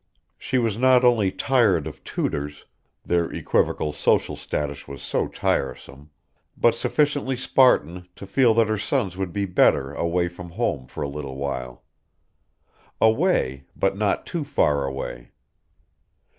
She was not only tired of tutors their equivocal social status was so tiresome! but sufficiently Spartan to feel that her sons would be better away from home for a little while. Away, but not too far away.